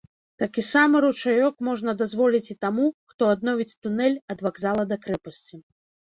Такі сама ручаёк можна дазволіць і таму, хто адновіць тунэль ад вакзала да крэпасці.